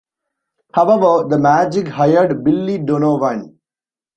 However, the Magic hired Billy Donovan.